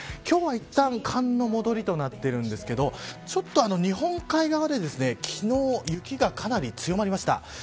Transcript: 今日はいったん寒の戻りとなっているんですがちょっと日本海側で昨日、雪がかなり強まりました。